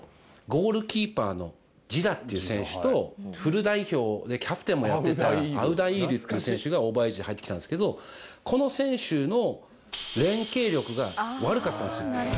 ゴールキーパーのジダっていう選手とフル代表でキャプテンもやってたアウダイールっていう選手がオーバーエイジで入って来たんですけどこの選手の。